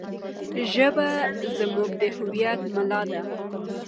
ژبه زموږ د هویت ملا ده.